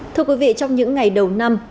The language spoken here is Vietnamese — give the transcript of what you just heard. thưa quý vị trong những ngày đầu năm